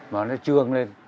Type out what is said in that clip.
mà nó trương lên